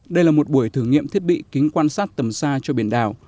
đây là một buổi thử nghiệm thiết bị kính quan sát tầm xa cho biển đảo